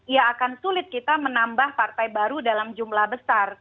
ya akan sulit kita menambahkan partai baru pada dua ribu sembilan belas